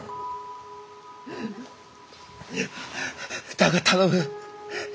だが頼む！